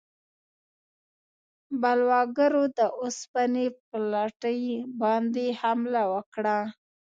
بلواګرو د اوسپنې پټلۍ باندې حمله وکړه.